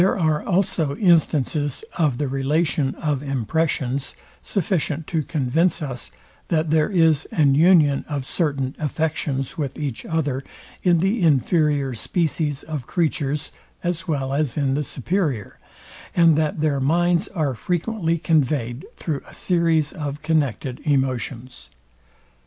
There are also instances of the relation of impressions, sufficient to convince us, that there is an union of certain affections with each other in the inferior species of creatures as well as in the superior, and that their minds are frequently conveyed through a series of connected emotions.